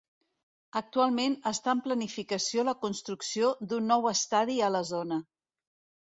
Actualment està en planificació la construcció d'un nou estadi a la zona.